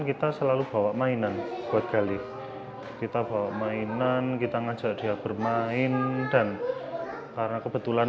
kita selalu bawa mainan buat gali kita bawa mainan kita ngajak dia bermain dan karena kebetulan